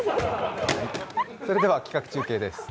それでは企画中継です。